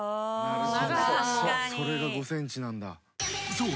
［そう。